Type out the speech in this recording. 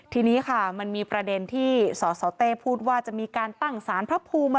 ทีนี้ค่ะมันมีประเด็นที่สสเต้พูดว่าจะมีการตั้งสารพระภูมิ